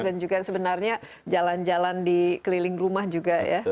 dan juga sebenarnya jalan jalan di keliling rumah juga ya